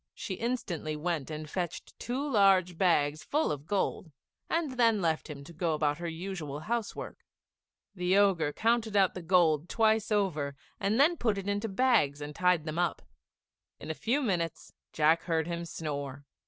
She instantly went and fetched two large bags full of gold; and then left him to go about her usual house work. The Ogre counted out the gold twice over, and then put it into the bags and tied them up. In a few minutes Jack heard him snore.